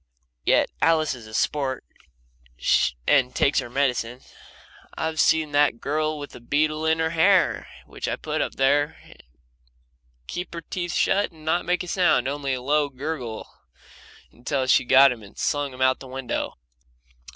Yet Alice is a sport, and takes her medicine. I've seen that girl with a beetle in her hair, which I put there, keep her teeth shut and not make a sound only a low gurgle until she'd got him and slung him out of the window.